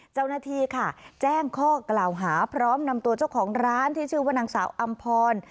เจ้าหน้าที่ค่ะแจ้งข้อกล่าวหาพร้อมนำตัวเจ้าของร้านที่ชื่อว่านางสาวอำพร